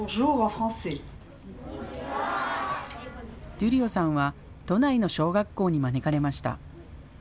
デュリオさんは都内の小学校に招かれました。